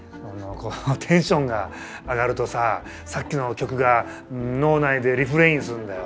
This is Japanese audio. テンションが上がるとさぁさっきの曲が脳内でリフレインするんだよ。